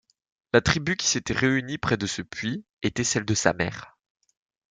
La tribu qui s'était réunie près de ce puits était celle de sa mère.